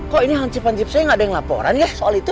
kok ini hangcipan jipsennya gak ada yang ngelaporan ya soal itu